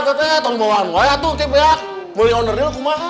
tidak ada yang mau menang pilih pemiliknya sendiri